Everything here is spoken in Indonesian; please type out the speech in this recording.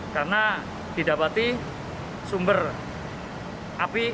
karena didapati sumber api